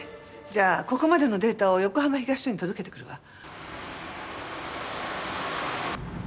じゃあここまでのデータを横浜東署に届けてくるわ。